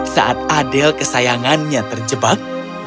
saat adele kesayangannya terjebak